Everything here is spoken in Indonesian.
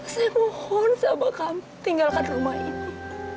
saya mohon sama kami tinggalkan rumah ini